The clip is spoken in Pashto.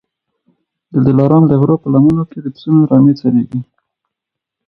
د دلارام د غرو په لمنو کي د پسونو رمې څرېږي